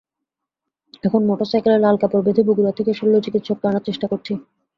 এখন মোটরসাইকেলে লাল কাপড় বেঁধে বগুড়া থেকে শল্যচিকিৎসককে আনার চেষ্টা করছি।